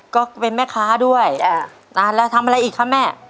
ก็เป็นแม่ค้าด้วยนานแล้วทำอะไรอีกคะแม่